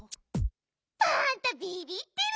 パンタビビってる！